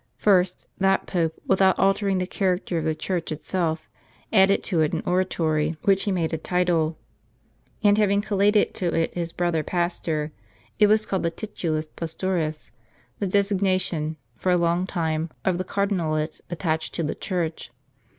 First, that Pope, without altering the character of the church itself, added to it an oratory which he made a title ; t and having collated to it his brother Pastor, it was called the tituhts Pastoris, the designation, for a long time, of the cardi nalate attached to the church.